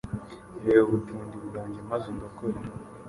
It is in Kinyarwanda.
Reba ubutindi bwanjye maze undokore